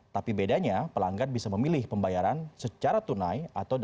tapi bedanya pelanggan bisa memilih pembayaran secara tunai